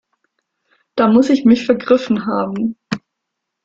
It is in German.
Da muss ich mich vergriffen haben.